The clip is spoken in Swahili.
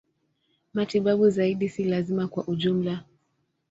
Matibabu zaidi si lazima kwa ujumla.